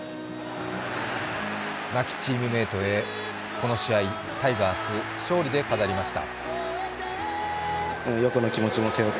亡きチームメートへ、この試合タイガース、勝利で飾りました。